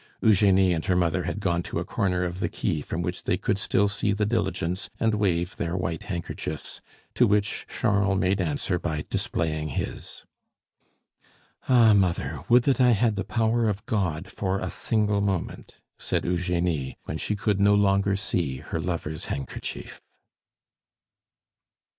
Eugenie and her mother had gone to a corner of the quay from which they could still see the diligence and wave their white handkerchiefs, to which Charles made answer by displaying his. "Ah! mother, would that I had the power of God for a single moment," said Eugenie, when she could no longer see her lover's handkerchief.